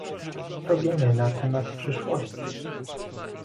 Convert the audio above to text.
Co wiemy na temat przyszłości?